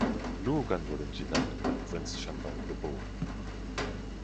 Luo Gan wurde in Jinan in der Provinz Shandong geboren.